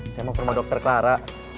saya mau permohon dokter clara